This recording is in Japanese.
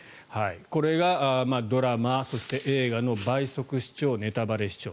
これがドラマそして映画の倍速視聴、ネタバレ視聴。